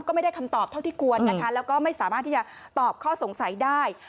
ก็ไม่ได้คำตอบเท่าที่ควรนะคะแล้วก็ไม่สามารถที่จะตอบข้อสงสัยได้